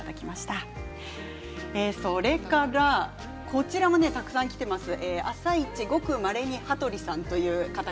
こちらもたくさんきています。